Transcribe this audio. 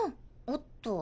おっと。